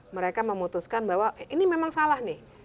mereka memutuskan bahwa ini memang salah nih